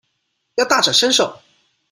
要大展身手